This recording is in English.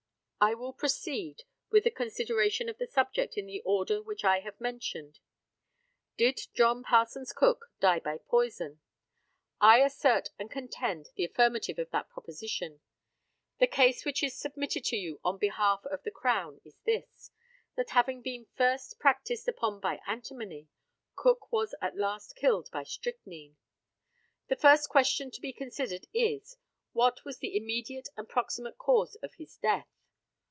I will proceed with the consideration of the subject in the order which I have mentioned. Did John Parsons Cook die by poison? I assert and contend the affirmative of that proposition. The case which is submitted to you on behalf of the Crown is this that, having been first practised upon by antimony, Cook was at last killed by strychnine. The first question to be considered is what was the immediate and proximate cause of his death.